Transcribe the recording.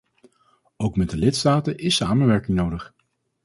Ook met de lidstaten is samenwerking nodig.